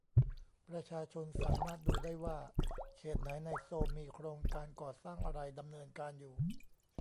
ประชาชนสามารถดูได้ว่าเขตไหนในโซลมีโครงการก่อสร้างอะไรดำเนินการอยู่